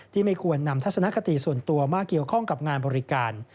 ไม่ควรนำทัศนคติส่วนตัวมาเกี่ยวข้องกับงานบริการ